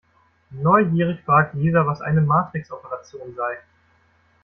Neugierig fragt Lisa, was eine Matrixoperation sei.